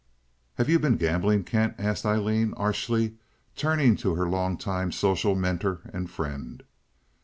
"Have you been gambling, Kent?" asked Aileen, archly, turning to her long time social mentor and friend.